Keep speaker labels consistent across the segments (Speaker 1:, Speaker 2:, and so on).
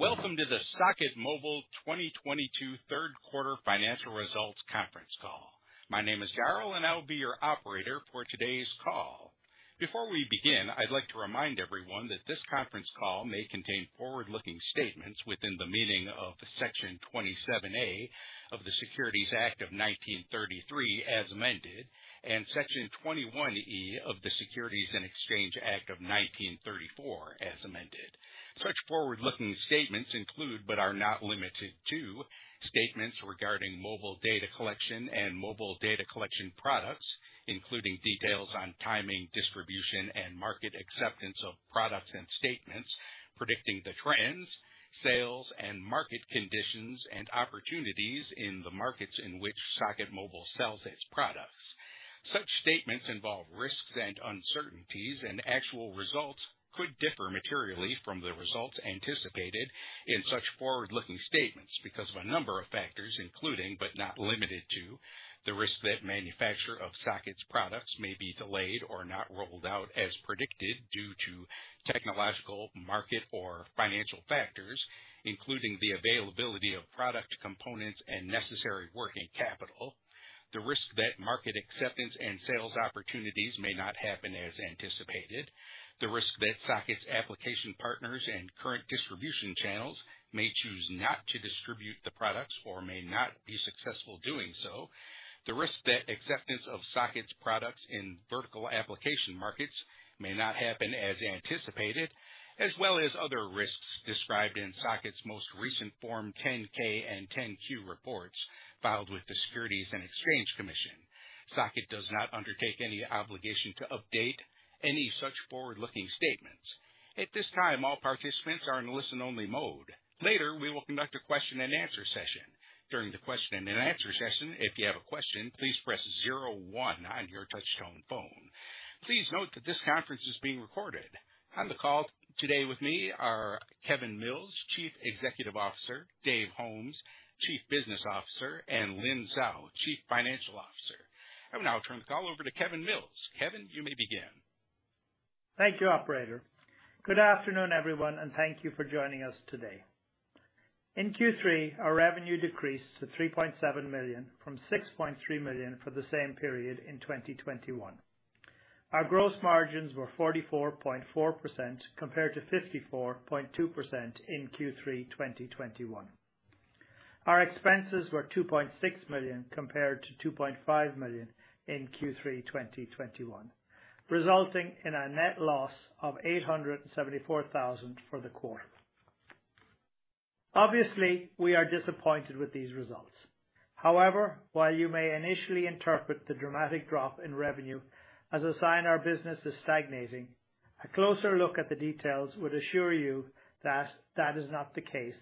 Speaker 1: Welcome to the Socket Mobile 2022 third quarter financial results conference call. My name is Daryl, and I will be your operator for today's call. Before we begin, I'd like to remind everyone that this conference call may contain forward-looking statements within the meaning of Section 27A of the Securities Act of 1933, as amended, and Section 21E of the Securities and Exchange Act of 1934, as amended. Such forward-looking statements include, but are not limited to, statements regarding mobile data collection and mobile data collection products, including details on timing, distribution, and market acceptance of products and statements predicting the trends, sales and market conditions and opportunities in the markets in which Socket Mobile sells its products. Such statements involve risks and uncertainties, and actual results could differ materially from the results anticipated in such forward-looking statements because of a number of factors, including, but not limited to, the risk that manufacture of Socket's products may be delayed or not rolled out as predicted due to technological, market, or financial factors, including the availability of product components and necessary working capital. The risk that market acceptance and sales opportunities may not happen as anticipated. The risk that Socket's application partners and current distribution channels may choose not to distribute the products or may not be successful doing so. The risk that acceptance of Socket's products in vertical application markets may not happen as anticipated, as well as other risks described in Socket's most recent Form 10-K and 10-Q reports filed with the Securities and Exchange Commission. Socket does not undertake any obligation to update any such forward-looking statements. At this time, all participants are in listen-only mode. Later, we will conduct a question-and-answer session. During the question-and-answer session, if you have a question, please press zero one on your touchtone phone. Please note that this conference is being recorded. On the call today with me are Kevin Mills, Chief Executive Officer, Dave Holmes, Chief Business Officer, and Lynn Zhao, Chief Financial Officer. I will now turn the call over to Kevin Mills. Kevin, you may begin.
Speaker 2: Thank you, operator. Good afternoon, everyone, and thank you for joining us today. In Q3, our revenue decreased to $3.7 million from $6.3 million for the same period in 2021. Our gross margins were 44.4% compared to 54.2% in Q3 2021. Our expenses were $2.6 million compared to $2.5 million in Q3 2021, resulting in a net loss of $874,000 for the quarter. Obviously, we are disappointed with these results. However, while you may initially interpret the dramatic drop in revenue as a sign our business is stagnating, a closer look at the details would assure you that that is not the case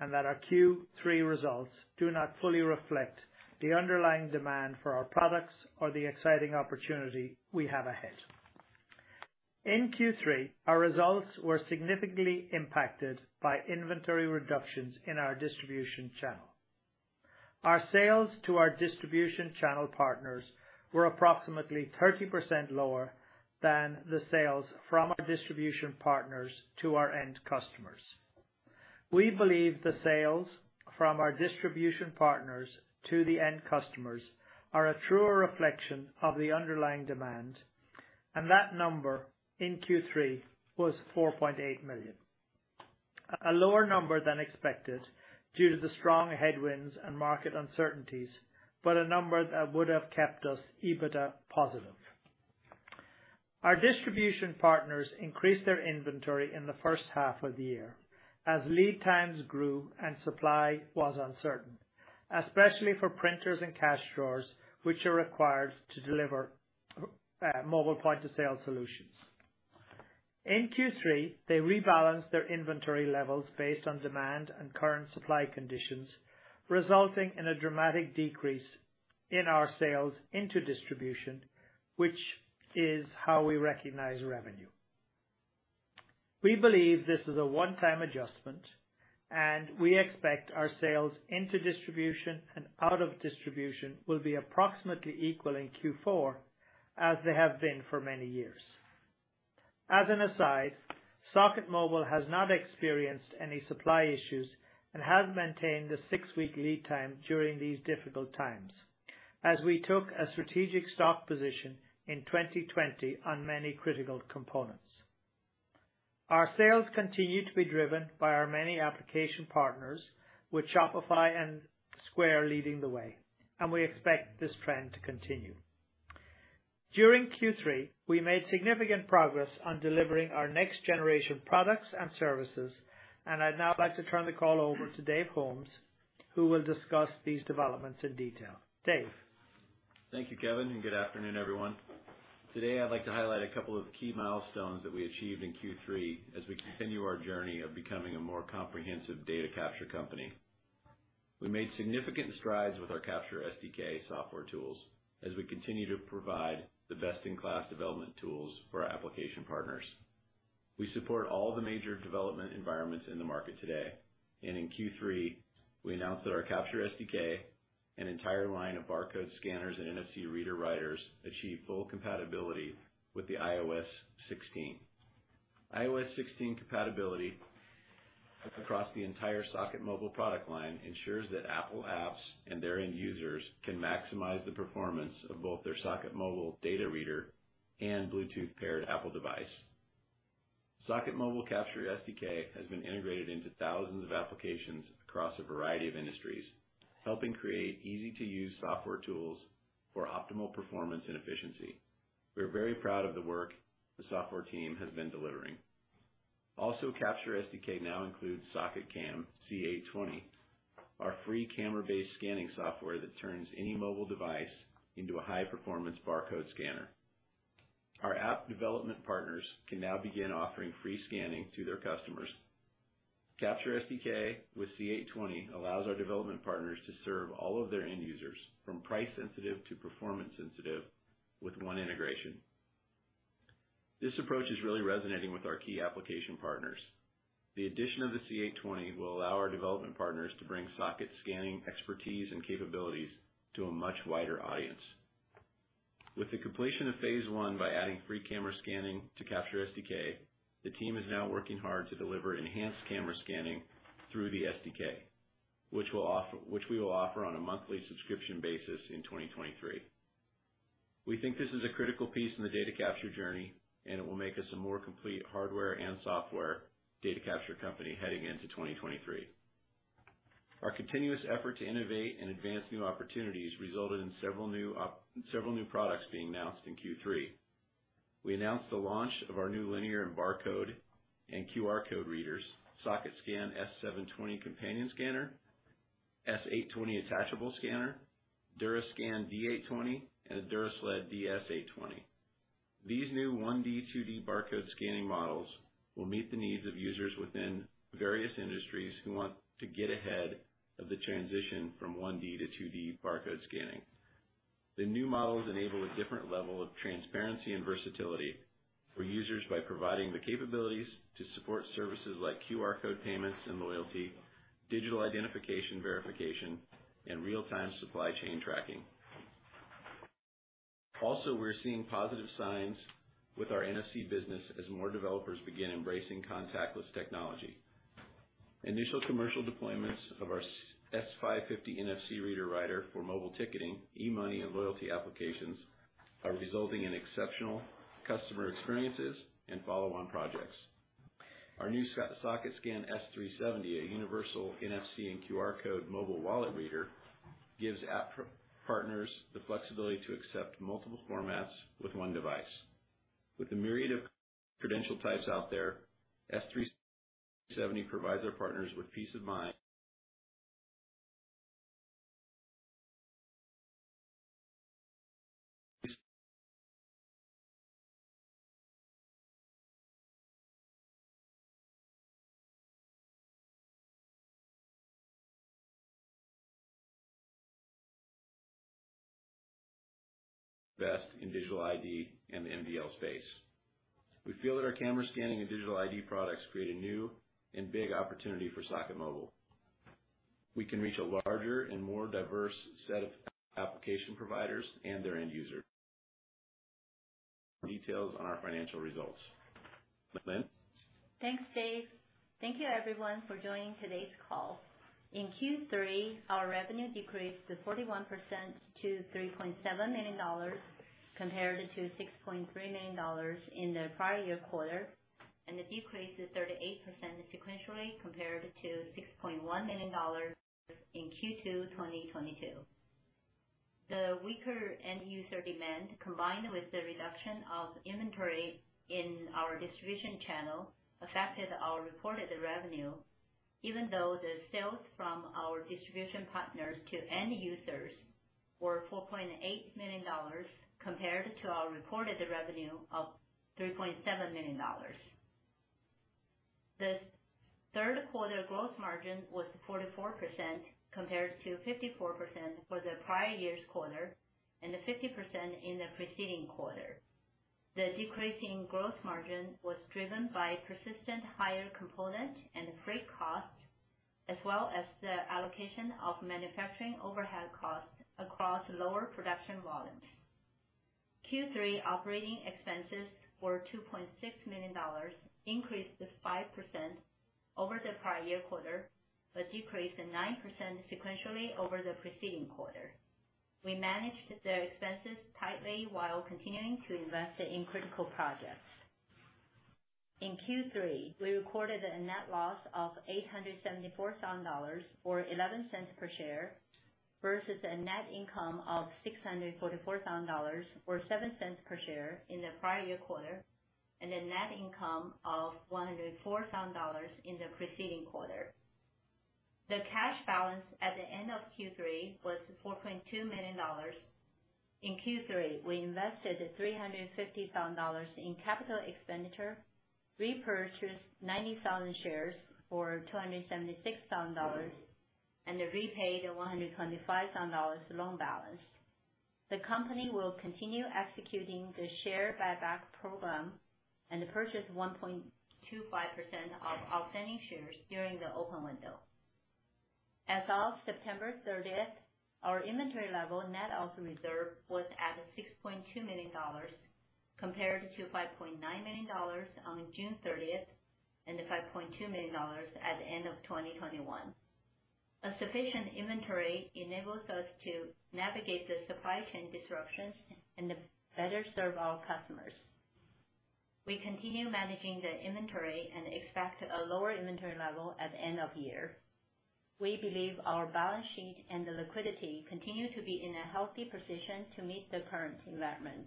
Speaker 2: and that our Q3 results do not fully reflect the underlying demand for our products or the exciting opportunity we have ahead. In Q3, our results were significantly impacted by inventory reductions in our distribution channel. Our sales to our distribution channel partners were approximately 30% lower than the sales from our distribution partners to our end customers. We believe the sales from our distribution partners to the end customers are a truer reflection of the underlying demand, and that number in Q3 was $4.8 million. A lower number than expected due to the strong headwinds and market uncertainties, but a number that would have kept us EBITDA positive. Our distribution partners increased their inventory in the first half of the year as lead times grew and supply was uncertain, especially for printers and cash drawers, which are required to deliver mobile point-of-sale solutions. In Q3, they rebalanced their inventory levels based on demand and current supply conditions, resulting in a dramatic decrease in our sales into distribution, which is how we recognize revenue. We believe this is a one-time adjustment, and we expect our sales into distribution and out of distribution will be approximately equal in Q4 as they have been for many years. As an aside, Socket Mobile has not experienced any supply issues and has maintained a 6-week lead time during these difficult times as we took a strategic stock position in 2020 on many critical components. Our sales continue to be driven by our many application partners, with Shopify and Square leading the way, and we expect this trend to continue. During Q3, we made significant progress on delivering our next generation of products and services, and I'd now like to turn the call over to Dave Holmes, who will discuss these developments in detail. Dave?
Speaker 3: Thank you, Kevin, and good afternoon, everyone. Today, I'd like to highlight a couple of key milestones that we achieved in Q3 as we continue our journey of becoming a more comprehensive data capture company. We made significant strides with our CaptureSDK software tools as we continue to provide the best-in-class development tools for our application partners. We support all the major development environments in the market today. In Q3, we announced that our CaptureSDK and an entire line of barcode scanners and NFC reader writers achieve full compatibility with the iOS 16. iOS 16 compatibility across the entire Socket Mobile product line ensures that Apple apps and their end users can maximize the performance of both their Socket Mobile data reader and Bluetooth paired Apple device. Socket Mobile Capture SDK has been integrated into thousands of applications across a variety of industries, helping create easy-to-use software tools for optimal performance and efficiency. We're very proud of the work the software team has been delivering. Also, Capture SDK now includes SocketCam C820, our free camera-based scanning software that turns any mobile device into a high-performance barcode scanner. Our app development partners can now begin offering free scanning to their customers. Capture SDK with C820 allows our development partners to serve all of their end users, from price sensitive to performance sensitive, with one integration. This approach is really resonating with our key application partners. The addition of the C820 will allow our development partners to bring Socket scanning expertise and capabilities to a much wider audience. With the completion of phase one by adding free camera scanning to CaptureSDK, the team is now working hard to deliver enhanced camera scanning through the SDK, which we will offer on a monthly subscription basis in 2023. We think this is a critical piece in the data capture journey, and it will make us a more complete hardware and software data capture company heading into 2023. Our continuous effort to innovate and advance new opportunities resulted in several new products being announced in Q3. We announced the launch of our new 1D and 2D barcode and QR code readers, SocketScan S720 companion scanner, S820 attachable scanner, DuraScan D820, and a DuraSled DS820. These new 1D, 2D barcode scanning models will meet the needs of users within various industries who want to get ahead of the transition from 1D to 2D barcode scanning. The new models enable a different level of transparency and versatility for users by providing the capabilities to support services like QR code payments and loyalty, digital identification verification, and real-time supply chain tracking. Also, we're seeing positive signs with our NFC business as more developers begin embracing contactless technology. Initial commercial deployments of our S550 NFC reader writer for mobile ticketing, e-money, and loyalty applications are resulting in exceptional customer experiences and follow-on projects. Our new SocketScan S370, a universal NFC and QR code mobile wallet reader, gives app partners the flexibility to accept multiple formats with one device. With the myriad of credential types out there, S370 provides our partners with peace of mind. Best in digital ID and the MDL space. We feel that our camera scanning and digital ID products create a new and big opportunity for Socket Mobile. We can reach a larger and more diverse set of application providers and their end users. Details on our financial results. Lynn?
Speaker 4: Thanks, Dave. Thank you everyone for joining today's call. In Q3, our revenue decreased 41% to $3.7 million compared to $6.3 million in the prior year quarter, and it decreased 38% sequentially compared to $6.1 million in Q2 2022. The weaker end user demand, combined with the reduction of inventory in our distribution channel, affected our reported revenue, even though the sales from our distribution partners to end users were $4.8 million compared to our reported revenue of $3.7 million. The third quarter gross margin was 44% compared to 54% for the prior year's quarter and the 50% in the preceding quarter. The decrease in gross margin was driven by persistent higher component and freight costs, as well as the allocation of manufacturing overhead costs across lower production volumes. Q3 operating expenses were $2.6 million, increased 5% over the prior year quarter, but decreased 9% sequentially over the preceding quarter. We managed the expenses tightly while continuing to invest in critical projects. In Q3, we recorded a net loss of $874,000 or $0.11 per share, versus a net income of $644,000 or $0.07 per share in the prior year quarter, and a net income of $104,000 in the preceding quarter. The cash balance at the end of Q3 was $4.2 million. In Q3, we invested $350,000 in capital expenditure, repurchased 90,000 shares for $276,000 and repaid $125,000 loan balance. The company will continue executing the share buyback program and purchase 1.25% of outstanding shares during the open window. As of September 30th, our inventory level net of reserve was at $6.2 million compared to $5.9 million on June 30th and $5.2 million at the end of 2021. A sufficient inventory enables us to navigate the supply chain disruptions and better serve our customers. We continue managing the inventory and expect a lower inventory level at the end of year. We believe our balance sheet and the liquidity continue to be in a healthy position to meet the current environment.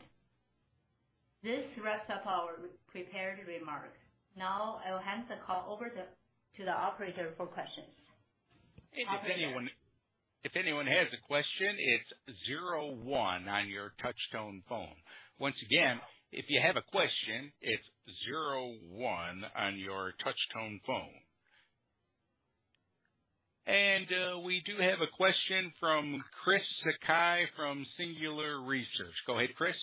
Speaker 4: This wraps up our prepared remarks. Now I'll hand the call to the operator for questions.
Speaker 1: If anyone has a question, it's zero one on your touch-tone phone. Once again, if you have a question, it's zero one on your touch-tone phone. We do have a question from Christopher Sakai from Singular Research. Go ahead, Chris.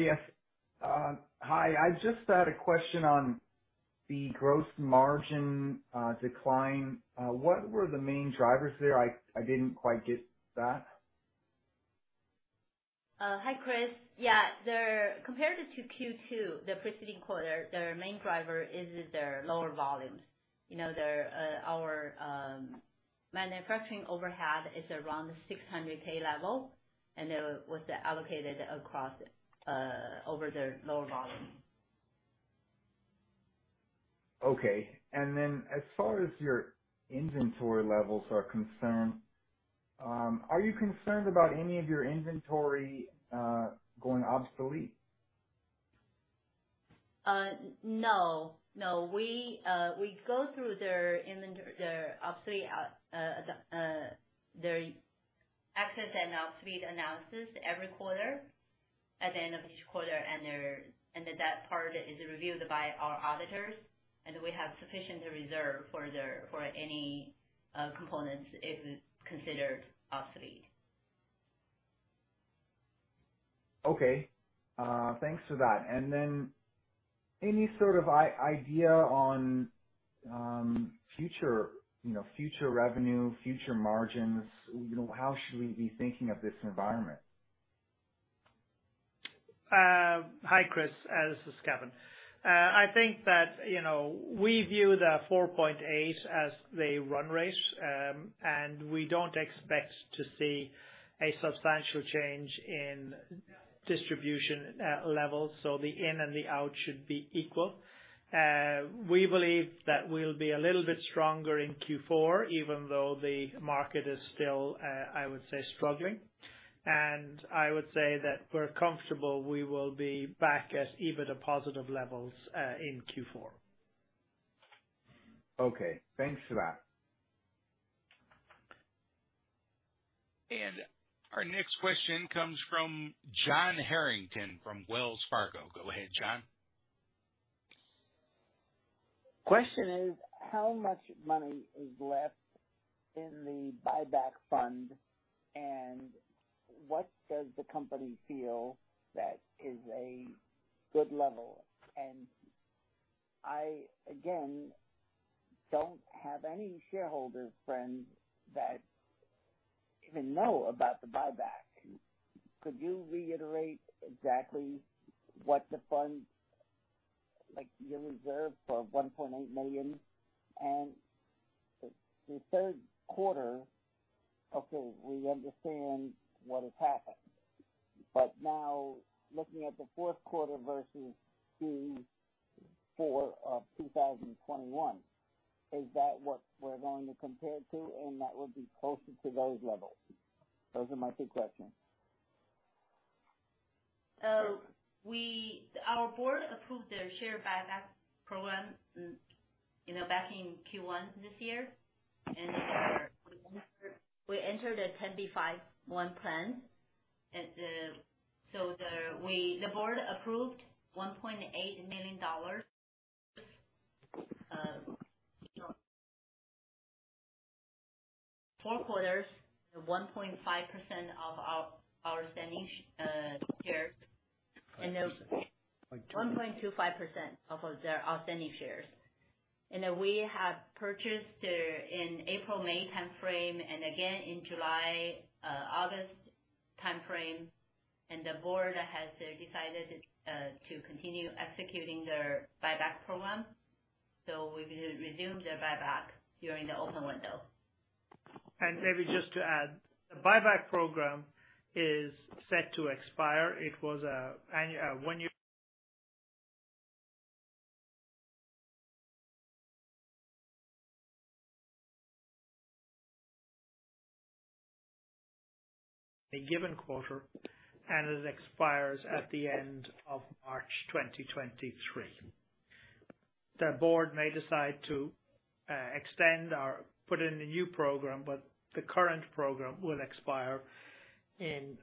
Speaker 5: Yes. Hi. I just had a question on the gross margin decline. What were the main drivers there? I didn't quite get that.
Speaker 4: Hi, Chris Sakai. Compared to Q2, the preceding quarter, their main driver is their lower volumes. You know, our manufacturing overhead is around $600K level, and it was allocated across the lower volume.
Speaker 5: Okay. As far as your inventory levels are concerned, are you concerned about any of your inventory going obsolete?
Speaker 4: No. We go through their excess and obsolete analysis every quarter, at the end of each quarter. That part is reviewed by our auditors, and we have sufficient reserve for any components if considered obsolete.
Speaker 5: Okay. Thanks for that. Any sort of idea on future, you know, future revenue, future margins, you know, how should we be thinking of this environment?
Speaker 2: Hi, Chris. This is Kevin. I think that, you know, we view the $4.8 as the run rate, and we don't expect to see a substantial change in distribution levels. The in and the out should be equal. We believe that we'll be a little bit stronger in Q4, even though the market is still, I would say, struggling. I would say that we're comfortable we will be back at EBITDA positive levels, in Q4.
Speaker 5: Okay. Thanks for that.
Speaker 1: Our next question comes from John Harrington from Wells Fargo. Go ahead, John.
Speaker 6: Question is how much money is left in the buyback fund and what does the company feel that is a good level? I again don't have any shareholder friends that even know about the buyback. Could you reiterate exactly what the fund, like your reserve for $1.8 million? The third quarter, okay, we understand what has happened. Now looking at the fourth quarter versus Q4 of 2021, is that what we're going to compare it to and that will be closer to those levels? Those are my two questions.
Speaker 4: Our board approved their share buyback program, you know, back in Q1 this year. We entered a 10b5-1 plan. The board approved $1.8 million, 4 quarters, 1.5% of our outstanding shares. Those 1.25% of their outstanding shares. We have purchased in April/May timeframe and again in July/August timeframe, and the board has decided to continue executing their buyback program. We've resumed the buyback during the open window.
Speaker 2: Maybe just to add, the buyback program is set to expire. It was a one-year given quarter, and it expires at the end of March 2023. The board may decide to extend or put in a new program, but the current program will expire in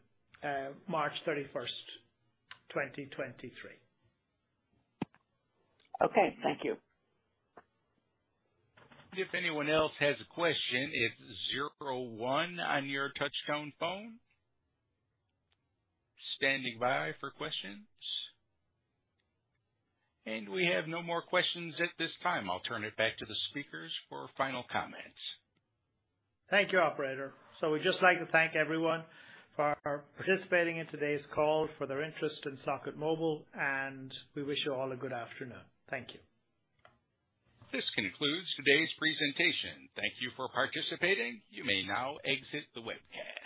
Speaker 2: March 31, 2023.
Speaker 6: Okay. Thank you.
Speaker 1: If anyone else has a question, it's zero one on your touch-tone phone. Standing by for questions. We have no more questions at this time. I'll turn it back to the speakers for final comments.
Speaker 2: Thank you, operator. We'd just like to thank everyone for participating in today's call, for their interest in Socket Mobile, and we wish you all a good afternoon. Thank you.
Speaker 1: This concludes today's presentation. Thank you for participating. You may now exit the webcast.